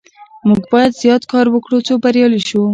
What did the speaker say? موږ باید زیات کار وکړو څو بریالي شو.